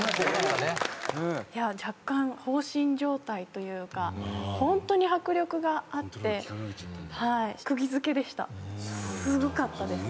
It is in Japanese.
若干放心状態というかホントに迫力があって釘付けでしたすごかったですね。